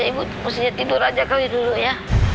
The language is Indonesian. ibu mesti tidur aja kali dulu ya